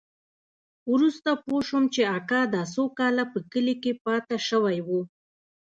وروسته پوه سوم چې اکا دا څو کاله په کلي کښې پاته سوى و.